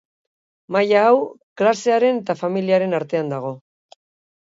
Maila hau klasearen eta familiaren artean dago.